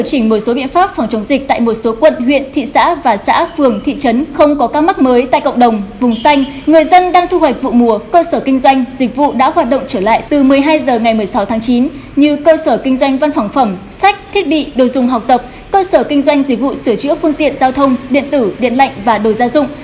cơ sở kinh doanh dịch vụ sửa chữa phương tiện giao thông điện tử điện lạnh và đồ gia dụng